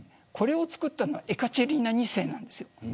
これを作ったのはエカチェリーナ２世なんです。